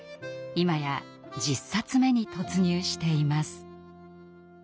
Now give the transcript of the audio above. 今や１０冊目に突入しています。